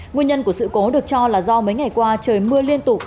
nguyên nhân của sự cố được cho là do mấy ngày qua trời mưa liên tục